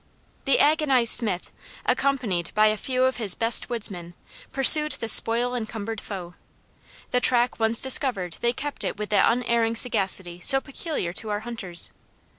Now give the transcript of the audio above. The agonized Smith, accompanied by a few of his best woodsmen, pursued the spoil encumbered foe. The track once discovered they kept it with that unerring sagacity so peculiar to our hunters.